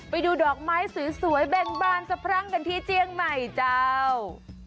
ไปดูดอกไม้สวยแบ่งบานสะพรั่งกันที่เจียงใหม่เจ้า